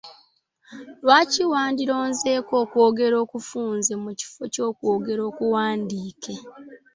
Lwaki wandironzeeko okwogera okufunze mu kifo ky'okwogera okuwandiike?